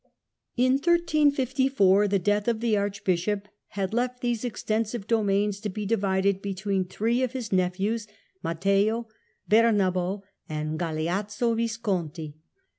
In 1354 the death of the Archbishop left these ex tensive dominions to be divided between three of his nephews, Matteo, Bernabo and Galeazzo Visconti.